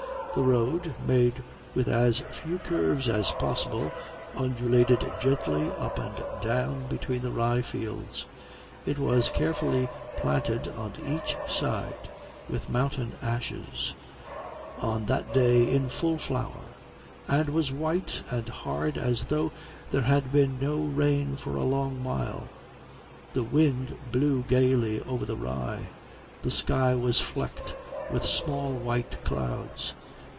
The road, made with as few curves as possible, undulated gently up and down between rye fields. It was carefully planted on each side with mountain ashes, on that day in full flower, and was white and hard as though there had been no rain for a long while. The wind blew gaily over the rye; the sky was flecked with small white clouds.